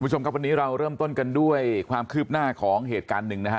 คุณผู้ชมครับวันนี้เราเริ่มต้นกันด้วยความคืบหน้าของเหตุการณ์หนึ่งนะฮะ